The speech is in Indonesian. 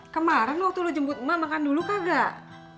kemaren waktu lu jemput mak makan dulu kagak